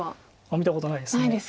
見たことないです。